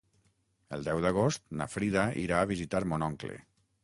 El deu d'agost na Frida irà a visitar mon oncle.